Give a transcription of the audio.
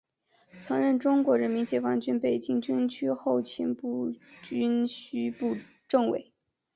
曾任中国人民解放军北京军区后勤部军需部政委。